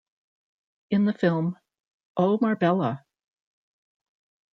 In the film Oh Marbella!